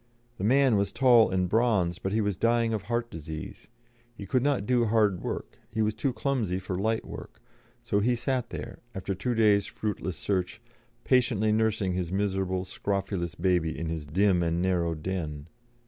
The man was tall and bronzed, but he was dying of heart disease; he could not do hard work, and he was too clumsy for light work; so he sat there, after two days' fruitless search, patiently nursing his miserable, scrofulous baby in his dim and narrow den.